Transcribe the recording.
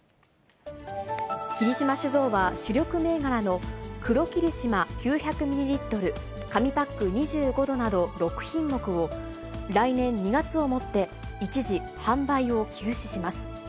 霧島酒造は、主力銘柄の黒霧島９００ミリリットル紙パック２５度など６品目を、来年２月をもって、一時販売を休止します。